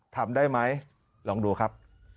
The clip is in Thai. ทำได้ไหมลองดูครับ